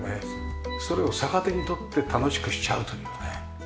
それを逆手にとって楽しくしちゃうというね。